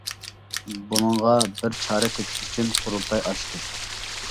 بۇنىڭغا بىر چارە تېپىش ئۈچۈن قۇرۇلتاي ئاشتى.